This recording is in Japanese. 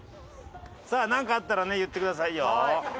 さあなんかあったらね言ってくださいよ。